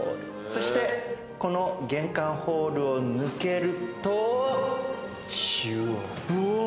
そしてこの玄関ホールを抜けると。